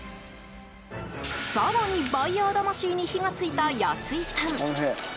更に、バイヤー魂に火がついた安井さん。